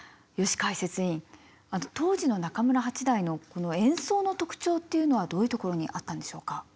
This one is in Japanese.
ヨシかいせついん当時の中村八大の演奏の特徴っていうのはどういうところにあったんでしょうか？